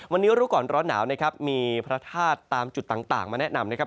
วันนี้รู้ก่อนร้อนหนาวนะครับมีพระธาตุตามจุดต่างมาแนะนำนะครับ